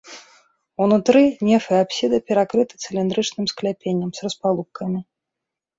Унутры неф і апсіда перакрыты цыліндрычным скляпеннем з распалубкамі.